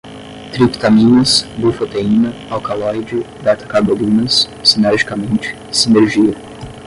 triptaminas, bufoteína, alcaloide, betacarbolinas, sinergicamente, sinergia